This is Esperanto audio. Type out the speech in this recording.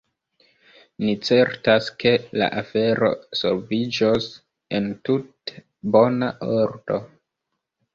Ni certas, ke la afero solviĝos en tute bona ordo.